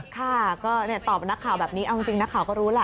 ค่ะก็ตอบนักข่าวแบบนี้เอาจริงนักข่าวก็รู้ล่ะ